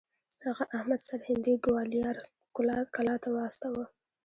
هغه احمد سرهندي ګوالیار کلا ته واستوه.